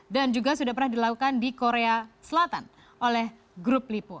dan juga sudah pernah dilakukan di korea selatan oleh grup lipo